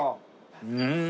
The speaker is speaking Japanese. うん！